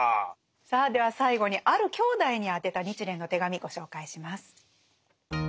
さあでは最後にある兄弟に宛てた日蓮の手紙ご紹介します。